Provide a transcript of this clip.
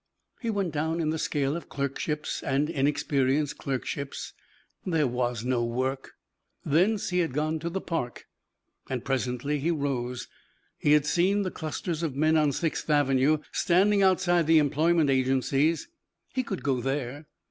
He went down in the scale of clerkships and inexperienced clerkships. There was no work. Thence he had gone to the park, and presently he rose. He had seen the clusters of men on Sixth Avenue standing outside the employment agencies. He could go there.